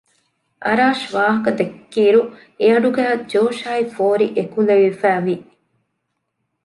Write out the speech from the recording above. އަރާޝް ވާހަކަދެއްކިއިރު އެއަޑުގައި ޖޯޝާއި ފޯރި އެކުލެވިފައި ވި